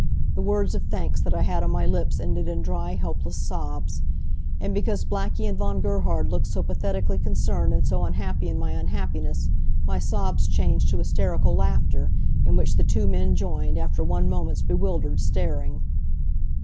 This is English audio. The words of thanks that I had on my lips ended in dry, helpless sobs. And because Blackie and Von Gerhard looked so pathetically concerned and so unhappy in my unhappiness my sobs changed to hysterical laughter, in which the two men joined, after one moment's bewildered staring.